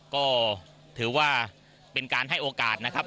ก็ถือว่าเป็นการให้โอกาสนะครับ